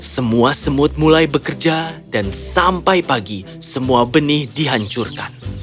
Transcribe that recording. semua semut mulai bekerja dan sampai pagi semua benih dihancurkan